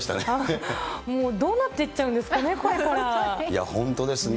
もうどうなっていっちゃうんいや、本当ですね。